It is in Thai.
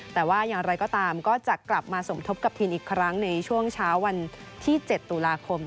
แต่ว่าอย่างไรก็ตามก็จะกลับมาสมทบกับทีมอีกครั้งในช่วงเช้าวันที่๗ตุลาคม